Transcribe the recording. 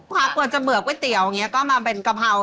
กว่าจะเบื่อก๋วยเตี๋ยวอย่างนี้ก็มาเป็นกะเพรา